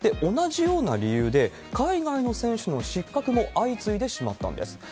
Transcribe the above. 同じような理由で、海外の選手の失格も相次いでしまったんです。